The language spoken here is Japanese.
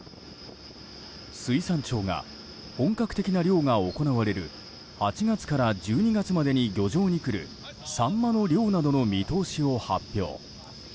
水産庁が、本格的な漁が行われる８月から１２月までに漁場に来るサンマの量などの見通しを発表。